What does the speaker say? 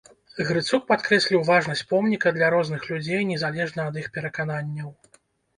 Грыцук падкрэсліў важнасць помніка для розных людзей незалежна ад іх перакананняў.